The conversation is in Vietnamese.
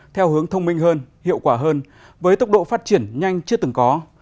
theo hướng thông minh hơn hiệu quả hơn với tốc độ phát triển nhanh chưa từng có